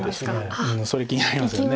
それ気になりますよね。